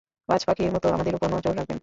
বাজপাখির মতো আমাদের উপর নজর রাখবেন।